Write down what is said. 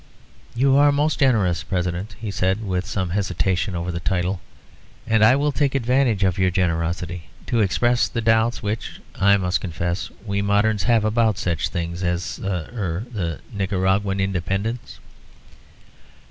"You are most generous, President," he said, with some hesitation over the title, "and I will take advantage of your generosity to express the doubts which, I must confess, we moderns have about such things as er the Nicaraguan independence."